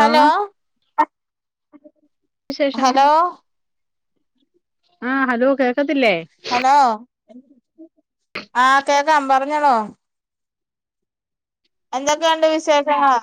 Hello വിശേഷം hello ആഹ് hello കേക്കത്തില്ലേ? ഹലോ ആഹ് കേക്കാം പറഞ്ഞോളോ? എന്തൊക്കെയുണ്ട് വിശേഷങ്ങള്?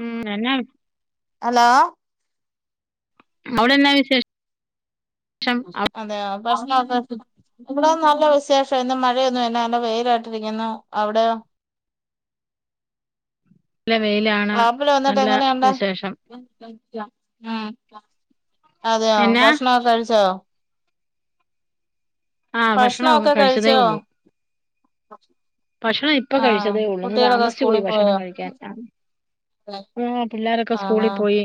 ഉം എന്നാ ഹലോ അവിടെന്ത വിശേ അതെയൊ പ്രശ്‌നൊക്കെ ത് വ്ടെ നല്ല വിശേഷം ഇന്ന് മഴയൊന്നുംല്ല നല്ല വെയിലായിട്ടിരിക്കുന്നു, അവിടെയൊ? ല്ല വെയില. മാപ്പിള വന്നിട്ട് എങ്ങനെയുണ്ട്? അതെയോ എന്നാ ഭക്ഷണൊക്കെ കഴിച്ചോ? ആഹ് ഭക്ഷണൊക്കെ കഴിച്ചതേ കഴിച്ചോ? ഉള്ളൂ ഭക്ഷണം ഇപ്പ ആഹ് കഴിച്ചതേ ഉള്ളൂന്ന് കുട്ടികളൊക്കെ താമസിച്ച് പോയി സ്കൂളിൽ പോയോ ഭക്ഷണം കഴിക്കാൻ ആഹ് പിള്ളോരൊക്കെ ആഹ് സ്കൂളി ആഹ് പോയി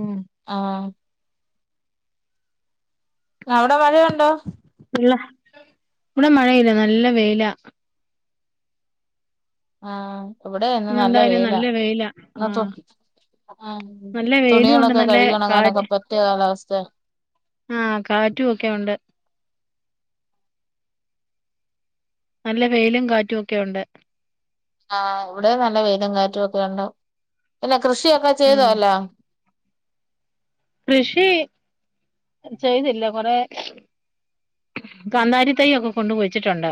ഉം ആഹ് അവിടെ മഴയുണ്ടോ? ള്ള ഇവിടെ മഴയില്ല നല്ല വെയില. ആഹ് ഇവിടെ ഇന്ന് നല്ല എന്തായാലും വേയില വെയിലാ ഇന്നെതോ ആഹ് ആഹ് നല്ല വെയിലും ഉണ്ട് തുണികളൊക്കെ നല്ല കഴുകണങ്ങാനൊക്കെ കാറ്റ് പറ്റിയ കാലാവസ്ഥ ആഹ് കാറ്റും ഒക്കെ ഉണ്ട്. നല്ല വെയിലും കാറ്റും ഒക്കെ ഇണ്ട് ആഹ് ഇവിടെ നല്ല വെയിലും കാറ്റും ഒക്കെ ഉണ്ട് പിന്നെ കൃഷിയൊക്കെ ഉം ചെയ്തല്ലോ? കൃഷി ചെയ്തില്ല കൊറെ കന്താരി തൈ ഒക്കെ കൊണ്ട്കുയിച്ചിട്ടുണ്ട്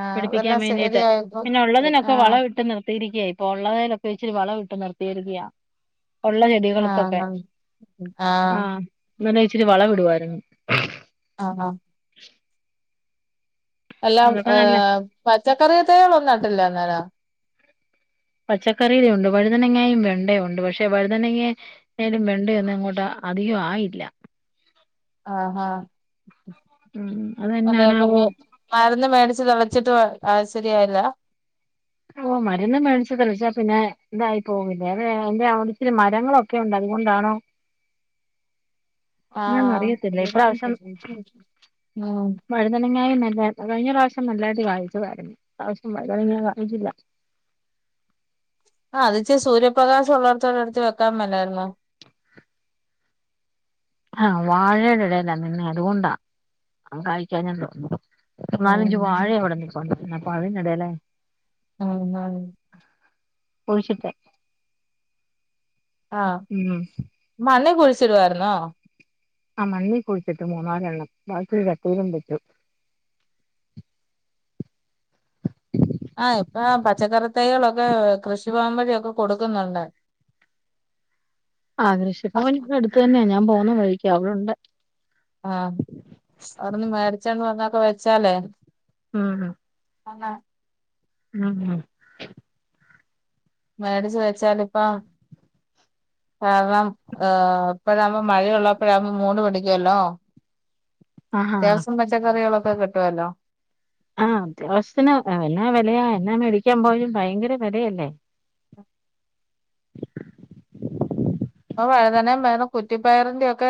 ആഹ് പിടിപ്പിക്കാൻ എല്ലാം വേണ്ടിട്ട് ശരിയായപ്പോ പിന്നെ ഉള്ളതിനൊക്കെ ആഹ് വളം ഇട്ട് നിർത്തിയിരിക്കയായി. ഇപ്പൊ ഉള്ളലൊക്കെ വെച്ചിരി വളം ഇട്ട് നിർത്തിയിരിക്കയ ഉള്ള ചെടി തൊക്കെ ആഹ് ആഹ് ഇങ്ങനെ ഇച്ചിരി വള ഇടുരുന്നു, ആഹ് ആഹ് എല്ലാം അതൊക്കെ നല്ല ഏഹ് പച്ചക്കറിവിത്ത്കളൊന്നും നട്ടില്ലേ ന്നേര പച്ചക്കറിയില ഉണ്ട് വഴുതനങ്ങയും വെണ്ടയും ഉണ്ട് പക്ഷെ വഴുതനങ്ങെ എലും വെണ്ടയൊന്നും അങ്ങോട്ട് അധികം ആയില്ല ആഹ് ഉം അതെ ഒക്ക അതെന്നാണാവോ മരുന്ന് മേടിച്ച് തളിച്ചിട്ട് ശരിയായില്ല? ഓഹ് മരുന്ന് മേടിച്ച്ക്കല്ലേ ക്ഷെ പിന്നെ ഇതായി പോകില്ലേ അ എന്റെ വിടെത്തിരി മരങ്ങളൊക്കെ ഒക്കെ ഉണ്ട് അതുകൊണ്ടാണോ? എന്നാന്നറിയത്തില്ല ഇപ്രാവശ്യം ആഹ് വഴുതനങ്ങായി നല്ല കഴിഞ്ഞ പ്രാവശ്യം നല്ലായിട്ട് വാങ്ങിച്ചതായിരുന്നു ഇ പ്രാവശ്യം വഴുതനങ്ങ വാങ്ങിച്ചില്ല ആഹ് അത്ച്ചി സൂര്യപ്രകാശംള്ളടത്തടെ അടുത്ത് വെക്കാൻ മലാരുന്നോ ആഹ് വാഴയുടെ ഇലല്ലാ നിന്നെ അതുകൊണ്ടാ കായ്ക്കാനല്ലോ നാലഞ്ചു വാഴ ഉം അവിടെ നിപ്പൊണ്ടി പാഴയ ഇടല്ലേ ആഹ് അഹ് കുയിച്ചിട്ടെ ആഹ് മണ്ണെ കുളിച്ചിടുവയിരുന്നോ? ആഹ് മണ്ണികുഴിച്ചിട്ട് മൂന്നാലെണ്ണം ബാക്കി ഒരു ചട്ടീലും വെച്ചു. ആഹ് ഇപ്പൊ പച്ചക്കറി തൈകളൊക്കെ കൃഷി ഭവൻ വഴിയൊക്കെ കൊടുക്കുന്നുണ്ട്. ആഹ്, കൃഷിഭവനി അടുത്ത് തന്നെയാ ഞാൻ പോകുന്ന വഴിക്ക് അ അവടെണ്ട്. ആഹ്, അവിടെന്ന് മേടിച്ചന്ന് മരുന്നൊക്കെ വെച്ചാലേ, ഉം ആ ഉം ആ മേട് ചോദിച്ചാല ഇപ്പ കവാം ഹ ഇപ്പോഴാകുമ്പോ മഴയുള്ളപ്പോഴാവുമ്പോ മൂട് ആഹാ പിടിക്കുവല്ലോത്യാവസംറ്റ പച്ചക്കറികളൊക്കെ കിട്ടുവല്ലോ ആഹ് അത്യാശത്തിന് എല്ലാ വിലയാ എന്നാ മേടിക്കാൻ പോയാലും ഭയങ്കര വിലയല്ലേ അപ്പൊ വഴുതന വേറെ കുറ്റിപ്പയറിന്റെയൊക്കെ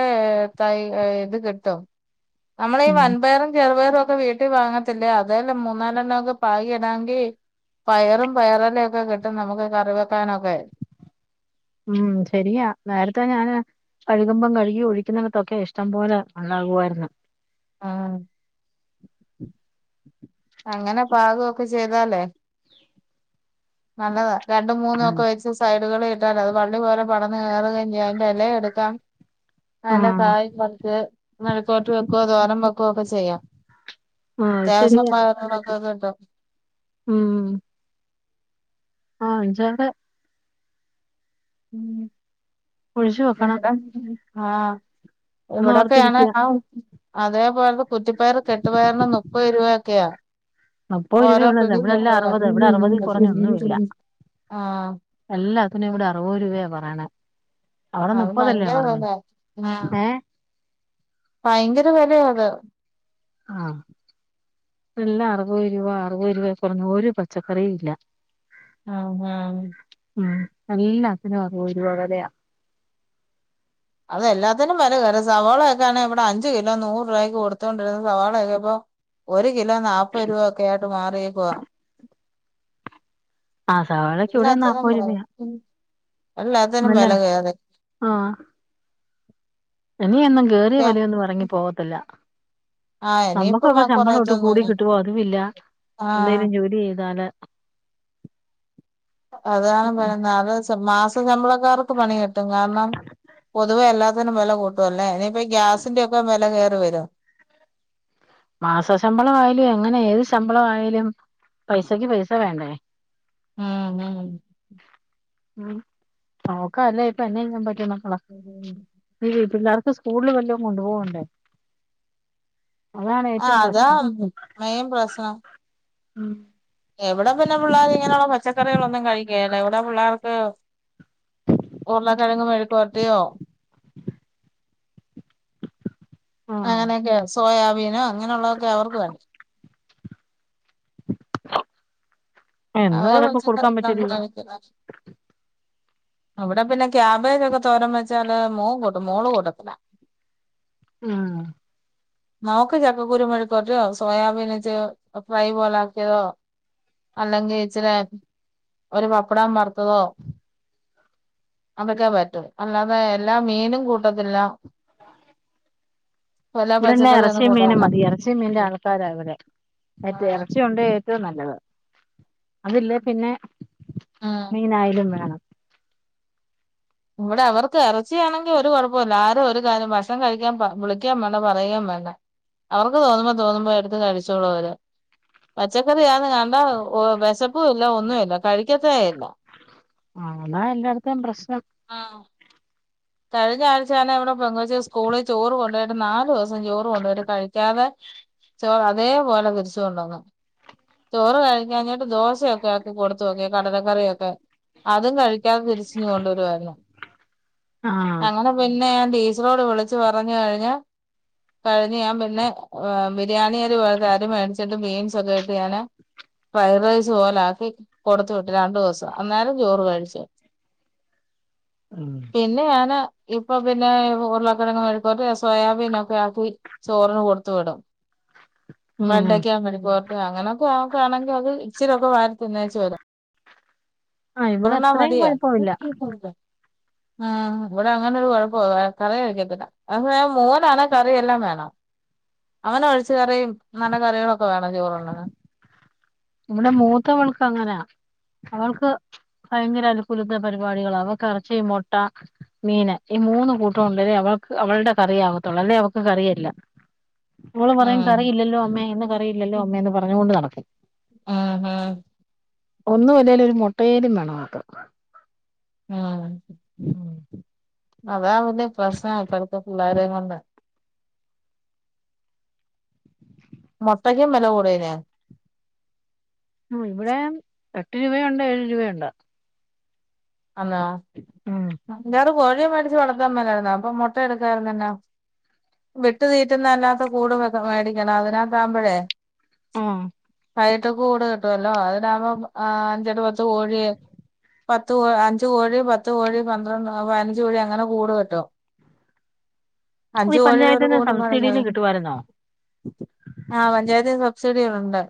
തൈ ഇത് കിട്ടും നമ്മള് ഈ ഉം വൻപയറും ചെറുപയറും ഒക്കെ വീട്ടിൽ വാങ്ങ. ല്ലേ അതില് മൂന്നാലെണ്ണൊക്കെ പാകിടാമെങ്കിൽ. പയറും പയറെല ഒക്കെ കിട്ടും നമുക്ക് കറി വെക്കാനൊക്കെ. ഉം ശരിയാ നേരത്തെ ഞാന്. കഴുകുമ്പം കഴുകി ഒഴിക്കുന്നങ്ങത്തൊക്കെഷ്ടം പോലെ നന്നാകുവായിരുന്നു. ആ അങ്ങനെ പാകൊക്കെ ചെയ്താലേ. നല്ലതാ. രണ്ടും മൂന്നും ഒക്കെ വെച്ച് സൈഡുകൾ കിട്ടാൽ അത് വള്ളി പോലെ പടർന്ന് കയറുക അറെ ഇലയ എടുക്കാം നല്ല ആഹ് കായ കുറക്ക് നഴക്കോട്ട് വെക്കോ തോരം വെക്കോക്കെ ചെയ്യാം ആഹ് അത്യാവശ്യം ശരിയാ അതുണ്ടാ ഉം ആ അച്ചാര് ഉ ഒഴിച്ചു വെക്കണം ആഹ് [unintelligible] ഇവിടൊക്കെയാണ് എന്നോർത്തിരിക്കുക ആ അതേപോലെ കുറ്റിപ്പയർ കെട്ടുപയറിനൊക്കെ മുപ്പത് രൂപയൊക്കെയാ മുപ്പത് ഓരോ രുപയൊള്ളല്ലേ പിടി ഇവിടെല്ല കേട്ടല്ല അറുപത് എവിടെ അറുപത് കുറഞ്ഞൊന്നും ഇല്ല ആഹ് എല്ലാത്തിനും ഇവിടെ അറുപത് രൂപയ പറയണെ അവിടെ അത് മുപ്പതല്ലേ ഭയങ്കര പറഞ്ഞ് വിലയാ ആഹ് ഏഹ് ഭയങ്കര വിലയാ അത് ആഹ് എല്ലാം അറുപത് രൂപ അറുപത് രൂപ കുറഞ്ഞ ഒരു പച്ചക്കറിയും ഇല്ല ആഹ് ആഹ് ഉം എല്ലാത്തിനും പറവതുരുവകഥയാ അതെല്ലാത്തിനും പര ക സവാളയക്കെയാണ് ഇവിടെ അഞ്ചു കിലോ നൂറ് രൂപയ്ക്ക് കൊടുത്തോണ്ടിരുന്നത് സവാളയ ഒക്കെ ഇപ്പോ ഒരു കിലോ നാല്പ്ത് രൂപ ഒക്കെ ആയിട്ട് മാറിയേക്കുവ ആ സവാളക്കെ ഇവിടെന്ന് എല്ലാത്തിനും നാപ്പതുരുയാ എല്ലാത്തിനും നല്ല വില കയറി ആഹ് ഇനി ഒന്നും കയറിയ വിലയൊന്നും ഇറങ്ങി പോകത്തില്ല ആഹ് നമ്മുക്ക് ഇനിയിപ്പം ഇപ്പൊ ശമ്പളം ഒട്ടും കൂടി കൊറയത്തൊന്നുല്ല കിട്ടുവോ അതുല്ല ആഹ് എന്തേലും ജോലി ചെയ്താല് അതാണ്ത് മാസ ശമ്പളക്കാർക്ക് പണി കിട്ടും കിട്ടും കാരണം പൊതുവെ എല്ലാത്തിനും വില കൂട്ടും അല്ലേ ഇനിയിപ്പ ഗ്യാസിന്റെ ഒക്കെ വില കയറി വരും മാസ ശമ്പളം ആയാലും എങ്ങനെ ഏത് ശമ്പള ആയാലും പൈസക്ക് പൈസ വേണ്ടേ ആം ആ ഉം നോക്ക അല്ല ഇപ്പ എന്നെ ഞാൻ പറ്റൂന്ന്ക്കളാ ഉം ഇ പിള്ളേർക്ക് സ്കൂളിൽ വല്ലോ കൊണ്ടു പോകണ്ടേ ആ ഏറ്റവും അതാ പ്രശ്നം മൈൻ പ്രശ്നം ഉം എവിടെ പിന്നെ പിള്ളേർ ഇങ്ങനെയുള്ള പച്ചക്കറികളൊന്നും കഴിക്കില്ല എവിടെ പിള്ളേർക്ക് ഉരുള കിഴങ്ങ് മെഴുക്ക്പർട്ടിയോ ആഹ് അങ്ങനെയൊക്കെ സോയാബീനോ അങ്ങനെയുള്ളതൊക്കെ അവർക്ക് വേണം ആ അവരെ പച്ചക്കറി [unintelligible] അവിടെ പിന്നെ ക്യാബേജ് ഒക്കെ തോരൻ വെച്ചാല് മോൻ കൂട്ടും മോള് കൂട്ടത്തില്ല ഉം നമുക്ക് ചക്കക്കുരു മെഴുക് വരട്ടിയോ സോയാബീൻ വച്ച് ഫ്രൈ പോല ആക്കിയതോ അല്ലെങ്കിൽ ഇച്ചിരി ഒരു പപ്പടം വറുത്തതോ അതൊക്കെ പറ്റൂ അല്ലാതെ എല്ലാ മീനും കൂട്ടത്തില്ല എല്ലാ ഇവിടെന്നാ പച്ചക്കറിയൊന്നും എറച്ചി മീനും കൂട്ടത്തില്ല മതി എറച്ചി മീന്റെ ആൾക്കാര ഇവടെ മറ്റേ എറച്ചി ഇറച്ചിണ്ടേ ഏറ്റവും നല്ലത് അതില്ലേ പിന്നെ ഉം മീനായാലും വേണം ഇവിടെ അവർക്ക് എറച്ചിയാണെങ്കിൽ ഒരു കുഴപ്പോല്ല ആരും ഒരു കാര്യം ഭക്ഷണം കഴിക്കാൻ വിളിക്കേം വേണ്ട പറയെം വേണ്ട അവർക്ക് തോന്നുമ്പോ തോന്നുമ്പോ എടുത്ത് കഴിച്ചോളു അവര് പച്ചക്കറി ആന്ന് കണ്ട വിശപ്പും ഇല്ല ഒന്നുല്ല കഴിക്കത്തെ ഇല്ല ആഹ് താ എല്ലാടതേം പ്രശ്നം ആഹ് കഴിഞ്ഞ ആഴ്ച്ച തന്നെ ഇവിടെ പെൺകൊച്ച് സ്കൂളിൽ ചോറ് കൊണ്ടോയിട്ട് നാലോസം ചോറ് കൊണ്ടിയിട്ട് കഴിക്കാതെ ചോറ് അതേപോലെ തിരിച്ചു കൊണ്ടൊന്ന് ചോറ് കഴിക്കാഞ്ഞിട്ട് ദോശയൊക്കെ ആക്കി കൊടുത്ത് നോക്കി കടലക്കറിയൊക്കെ അതും കഴിക്കാതെ തിരിച്ച് ഇങ്ങ് കൊണ്ട് വരുവായിരുന്നു ആഹ് അങ്ങനെ പിന്നെ ഞാൻ ടീച്ചറോട് വിളിച്ചു പറഞ്ഞു കഴിഞ്ഞ് കഴിഞ്ഞ് ഞാൻ പിന്നെ ബിരിയാണി അരി മേടിച്ചിട്ട് ബീൻസ് ഒക്കെ ഇട്ട് ഞാന് ഫ്രൈഡ് റൈസ് പോലെ ആക്കി കൊടുത്തു വിട്ടു രണ്ടോസം അന്നേരം ചോറ് കഴിച്ചു മ് പിന്നെ ഞാന് ഇപ്പൊ പിന്നെ ഉരുളക്കിഴങ്ങ് മെഴുക് വരട്ടി സോയാബീൻ ഒക്കെ ആക്കി ചോറിന് കൊടുത്തു വിടും ഉം വെണ്ടയ്ക്ക മെഴുക്കുപെരട്ടി അങ്ങനക്കെ നോക്കുവാണെങ്കി അത് ഇച്ചിരി ഒക്ക വാരിത്തിന്നേച്ചു വരും ആഹ് ഇവിടെ ഒരണ്ണം അത്രയും മതിയാ കുഴപ്പമില്ല ആഹ് ഇവിടെ അങ്ങനോരു കുഴപ്പവാ [unintelligible] കഴിക്കത്തില്ല അത് മോനാണേ കറിയെല്ലാം വേണം അവന് ഒഴിച്ച് കറിയും നല്ല കറികളൊക്കെ വേണം ചോറുണ്ണുന്നേന് ഇവിടെ മൂത്തവൾക്ക് അങ്ങനാ അവൾക്ക് ഭയങ്കര [unintelligible] പരിപാടികളാ അവക്ക് എറച്ചി മുട്ട മീന് ഈ മൂന്ന് കൂട്ടം ഉണ്ടേ അവൾക്ക് അവൾടെ കറി ആകത്തുള്ളൂ അല്ലേ അവക്ക് കറിയല്ല മോള് പറയും ഉം കറിയില്ലല്ലോ അമ്മേ ഇന്ന് കറിയില്ലല്ലോ അമ്മേ എന്ന് പറഞ്ഞോണ്ട് നടക്കും ആഹ് ആഹ് ഒന്നുമില്ലേലും ഒരു മുട്ടയേലും വേണം ഓൾക്ക് ആഹ് ഉം അതാ ഇപ്പോ പ്രശ്നം ഇപ്പഴത്തെ പുള്ളേരേം കൊണ്ട് മൊട്ടക്കും വില കൂടീലേ ആഹ് ഇവിടെ എട്ട് രൂപയുണ്ട് ഏഴ് രൂപയുണ്ട് എന്നാ ഉം അഞ്ചാറ് കോഴിയെ മേടിച്ച് വളർത്താമേലാരുന്നോ അപ്പൊ മുട്ട എടുക്കായിരുന്നല്ലോ വിട്ടു തീറ്റുന്ന അല്ലാത്ത കൂട് മേടിക്കണം അതിനാത്ത് ആമ്പഴേ ആഹ് [unintelligible] കൂട് കിട്ടുവല്ലോ അതിലാവുമ്പോ അഞ്ചട്ടു പത്ത് കോഴിയെ പത്ത് കോ അഞ്ചു കോഴി പത്ത് കോഴി പന്ത്രണ്ട് പതിനഞ്ച് കോഴി അങ്ങനെ കൂട് കിട്ടും അഞ്ച് ഈ കോഴി ഒരു പഞ്ചായത്തിന്ന് കൂടും സബ്സിഡിയിൽ കാണിക്കാതെ കിട്ടുവായിരുന്നോ ആഹ് പഞ്ചായത്തിന്ന് സബ്സിഡികള് ഉണ്ട്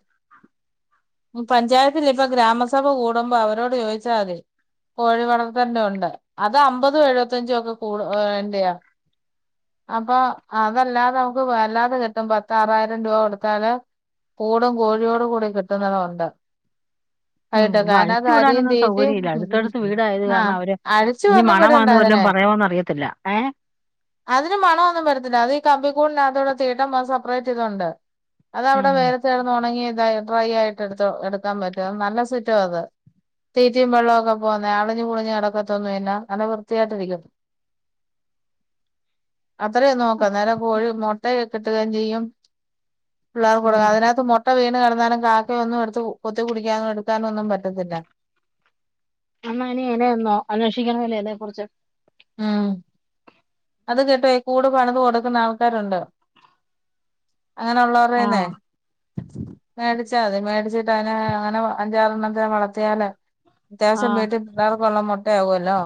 പഞ്ചായത്തില്ല ഇപ്പ ഗ്രാമസഭ കൂടുമ്പോ അവരോട് ചോയിച്ചാതി കോഴിവളർത്തല്ണ്ട് അത് അമ്പതും എഴുപത്തഞ്ചും ഒക്കെ കൂടിന്റെയാ അപ്പൊ അതല്ലാതെ നമുക്ക് വൾഅല്ലാതെ കിട്ടും പത്ത് ആറായിരം രൂപ കൊടുത്താല് പൂടും കോഴിയോടു കൂടി കിട്ടുന്നതുണ്ട് [unintelligible] അരിം തീറ്റെം തൊട്ടടുത്ത് വീടായത് കാരണം അവര് ഇനി ഒന്നും വിടണ്ട മണമാന്ന് വല്ലോം അതിനെ പറയോന്ന് അറിയത്തില്ല ഏഹ്. അതിന് മണൊന്നും വരത്തില്ല അത് ഈ കമ്പിക്കൂട്നാത്തൂടെ തീട്ടം പോവാൻ സപ്പറേറ്റ് തുണ്ട്. അത് അഒടെ വെയിലത്ത് കടന്ന് ഒണങ്ങിയതായും ഡ്രൈ ആയിട്ട് എടുത്ത് എടുക്കാൻ പറ്റും നല്ല സുറ്റോ അത് തീറ്റിം വെള്ളോം ഇപ്പം പോന്നെ അളിഞ്ഞ് പുളിഞ്ഞ് നടക്കത്തോന്ന്ല്ല അത് വൃത്തിയായിട്ടിരിക്കും. അത്രയും ഒന്ന് നോക്ക് നേരെ കോഴി മുട്ട [unintelligible] ചെയ്യും പിള്ളേർ ഉം കൊടുക്ക് അതിനകത്ത് മു ഇട്ട് വീണ് കടന്നാലും കാക്കയൊന്നും എടുത്ത് കൊത്തി കുടിക്കാനും എടുക്കാനും ഒന്നും പറ്റത്തില്ല. എന്നാ ഇനി ഇനെന്നോ അന്വേഷിക്കണമല്ലേ ഇതേ കുറിച്ച്? ഉം അത് കേട്ടോ ഈ കൂട് പണിത് കൊടുക്കുന്ന ആൾക്കാരുണ്ട്. അങ്ങനെ ആ ഉള്ളവറേന്നെ മേടിച്ചാ മതി മേടിച്ചിട്ട് അതിനെ അങ്ങനെ അഞ്ചാറെണ്ണത്തെ വളർത്തിയാല ആ അത്യാവശ്യം വീട്ടിൽ പിള്ളേർക്കുള്ള മുട്ടആകുല്ലോ.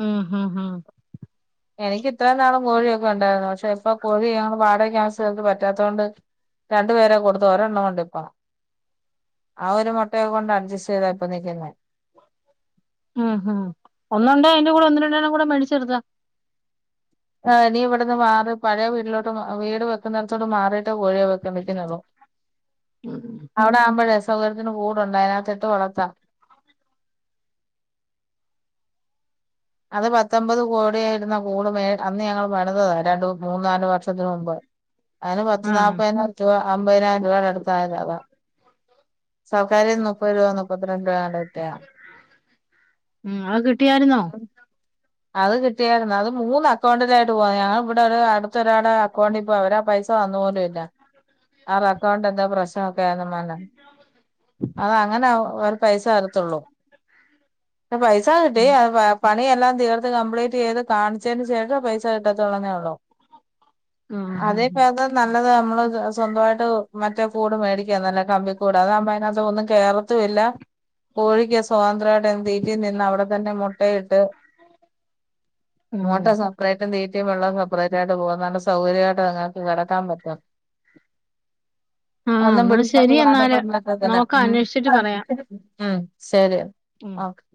ഉം ഉം ഉം എനിക്ക് ഇത്രയും നാളും കോഴിയൊക്കെ ഉണ്ടായിരുന്ന് പക്ഷെ ഇപ്പൊ കോഴി ഞങ്ങള് വാടകക്ക് താമസിച്ച സ്ഥലത്ത് പറ്റാത്തോണ്ട് രണ്ട് പേരെ അങ്ങ് കൊടുത്ത് ഒരെണ്ണം ഒണ്ടിപ്പം. ആഹ് ഒരു മുട്ടയേ കൊണ്ടാ അഡ്ജസ്റ്റ് ചെയ്താ ഇപ്പം നിൽക്കുന്നെ. ഉം ഉം ഒന്നുണ്ടേ അയിന്റെ കൂടെ ഒന്ന് രണ്ടേണ്ണം കൂടി മേടിച്ച് നിർത്താം. ആഹ് ഇനി ഇവടന്ന് മാറി പഴയ വീട്ടിലോട്ട് വീട് വെക്കുന്നടത്തോട്ട് മാറിയിട്ട് കോഴിയെ വിക്ക്ന്ന് വിക്കുന്നുള്ളു. അഒടെ ആവുമ്പഴേ സൗകര്യത്തിന് കൂടുണ്ട് അതിനകത്തിട്ട് വളർത്താം. അത് പത്തമ്പത് കോടിയെ ഇടുന്ന കൂട് മേ അന്ന് ഞങ്ങള് പണിതതാ രണ്ട് മൂന്നാ രണ്ട് വർഷത്തിന് മുമ്പ് അതിന് പത്ത് ആ നാല്പ്പതിനായിരം രൂപ അമ്പതിനായിരം രൂപയുടെ അടുത്തായതാ അതാ. സർക്കാരേന്ന് മുപ്പത് രൂപ, മുപ്പത്തിരണ്ട് രൂപ ങ്ങാണ്ട് ഇട്ട്യ. ഉം അത് കിട്ടിയാരുന്നോ? അത് കിട്ടിയാരുന്ന് അത് മൂന്ന് അക്കൗണ്ടിലായിട്ട് പോയി ഞങ്ങള് ഇവിടെ ഒരു അടുത്തൊരാടെ അക്കൗണ്ടി ഇപ്പോ അവരാ പൈസ് [unintelligible] അക്കൗണ്ട് എന്തോ പ്രശ് നോക്കി ആകമാനം അത് അങ്ങനെ ഒരു പൈസ വരത്തുള്ളൂ. പൈസ കിട്ടി ഉം. പ പണിയെല്ലാം തീർത്ത് കംപ്ലീറ്റ് ചെയ്ത് കാണിച്ചേന് ശേഷം പൈസ കിട്ടത്തുള്ളന്നേ ഉള്ളു. ആ അതി ഭേദം നല്ലത് നമ്മള് സ്വന്തമായിട്ട് മറ്റേ കൂട് മേടിക്കാ നല്ലെ കമ്പിക്കൂട് അതാവുമ്പം അയിനകത്ത് ഒന്നും കേറ ത്തുല്ല കോഴിക്ക് സ്വാതന്ത്രം ആയിട്ട് തീറ്റിം തിന്ന് അവടെ തന്നെ മുട്ടയിട്ട് ഉം. അങ്ങോട്ട് സെപ്പറേറ്റും തീറ്റിം വെള്ളോം സെപ്പറേറ്റ് ആയിട്ട് പോകാനുള്ള സൗകര്യായിട്ട് അതുങ്ങൾക്ക് കെടക്കാൻ പറ്റും. ആ ഒന്നും എന്നാ പിടിച്ചോണ്ട് ശരി പോവാൻ എന്നാല് ഒന്നും പറ്റത്തില്ല നോക്കാം ഉം അന്വേഷിച്ചിട്ട് പറയാം ആഹ് ഉം ശരി ഉം ഓക്കെ